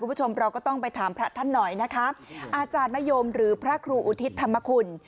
คุณผู้ชมเราก็ต้องไปถามพระท่านหน่อยนะคะอาจารย์มะยมหรือพระครูอุทิศธรรมคุณ